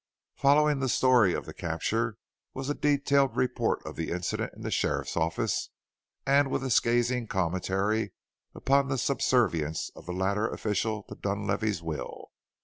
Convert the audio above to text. Following the story of the capture was a detailed report of the incident in the sheriff's office and a scathing commentary upon the subservience of the latter official to Dunlavey's will.